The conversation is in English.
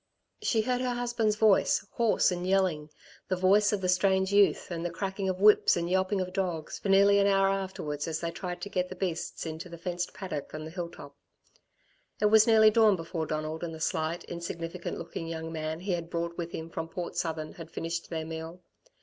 She heard her husband's voice, hoarse and yelling, the voice of the strange youth, and the cracking of whips and yelping of dogs for nearly an hour afterwards as they tried to get the beasts into the fenced paddock on the hill top. It was nearly dawn before Donald and the slight, insignificant looking young man he had brought with him from Port Southern had finished their meal.